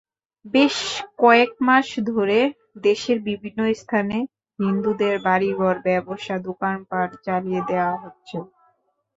বেশ কয়েক মাস ধরে দেশের বিভিন্ন স্থানে হিন্দুদের বাড়িঘর, ব্যবসা-দোকানপাট জ্বালিয়ে দেওয়া হচ্ছে।